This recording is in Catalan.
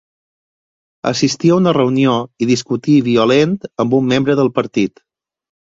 Assistí a una reunió i discutí violent amb un membre del partit.